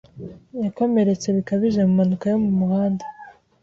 Yakomeretse bikabije mu mpanuka yo mu muhanda.